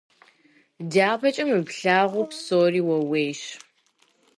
ДяпэкӀэ мы плъагъу псори ууейщ.